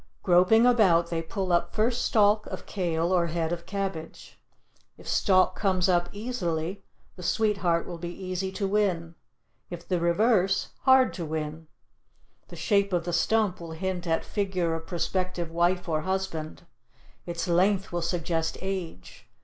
Groping about they pull up first stalk of kale or head of cabbage. If stalk comes up easily the sweetheart will be easy to win; if the reverse, hard to win. The shape of the stump will hint at figure of prospective wife or husband. Its length will suggest age.